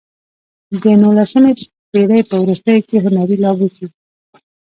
د نولسمې پېړۍ په وروستیو کې هنري لابوچي.